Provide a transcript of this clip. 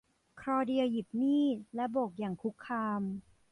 คลอเดียหยิบมีดและโบกอย่างคุกคาม